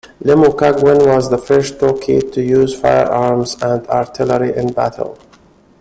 Lemucaguin was the first Toqui to use firearms and artillery in battle.